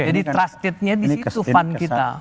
jadi trusted nya disitu fund kita